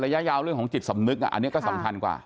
ระยะยาวเรื่องของจิตสำนึกอันนี้ก็สำคัญกว่า